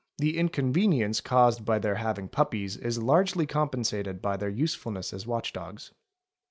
'The inconvenience caused by their having puppies is largely compensated by their usefulness as watch dogs.